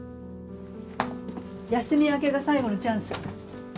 休み明けが最後のチャンス。